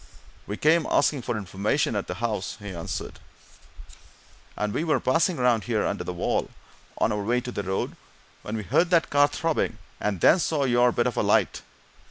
"We came asking some information at the house," he answered, "and we were passing round here, under the wall, on our way to the road, when we heard that car throbbing, and then saw your bit of a light.